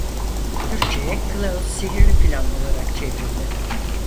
Türkçeye Klaus Sihirli Plan olarak çevrildi.